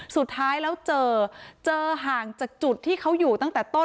สุดท้ายแล้วเจอเจอห่างจากจุดที่เขาอยู่ตั้งแต่ต้น